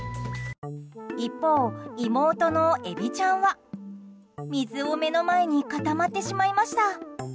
一方、妹のえびちゃんは水を目の前に固まってしまいました。